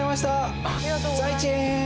ザイチェン！